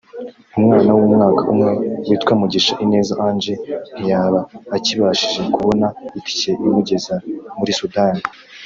umwana w’umwaka umwe witwa Mugisha Ineza Ange ntiyaba akibashije kubona itike imugeza muri Sudani